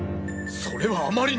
それはあまりに。